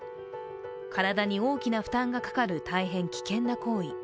体に大きな負担がかかる大変危険な行為。